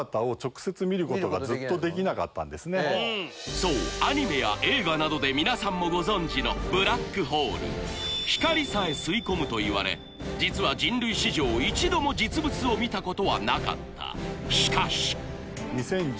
そうアニメや映画などで皆さんもご存じのブラックホール光さえ吸い込むといわれ実は人類史上一度も実物を見たことはなかったしかしたくさんの。